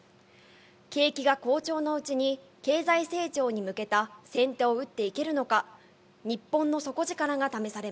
景気が好調のうちに、経済成長に向けた先手を打っていけるのか。